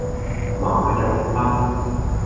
麻蓉包